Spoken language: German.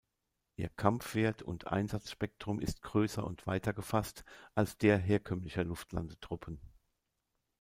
Ihr Kampfwert und Einsatzspektrum ist größer und weiter gefasst als der herkömmlicher Luftlandetruppen.